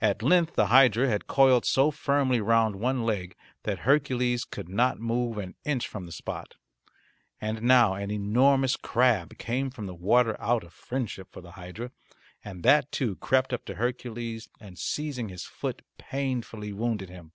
At length the hydra had coiled so firmly round one leg, that Hercules could not move an inch from the spot. And now an enormous crab came from the water out of friendship for the hydra, and that too crept up to Hercules and, seizing his foot, painfully wounded him.